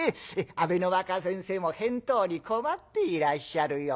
阿部の若先生も返答に困っていらっしゃるようだ。